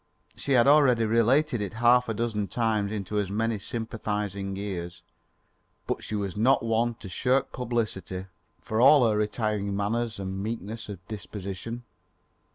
She had already related it a half dozen times into as many sympathising ears, but she was not one to shirk publicity, for all her retiring manners and meekness of disposition.